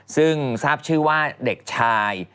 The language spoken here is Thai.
ซึ่งทราบชื่อว่าเด็กชาย